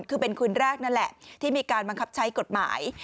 คือเป็นคืนแรกนั่นแหละที่มีการบังคับใช้กฎหมาย